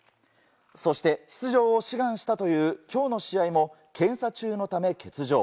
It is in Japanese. そして、出場を志願したという今日の試合も検査中のため欠場。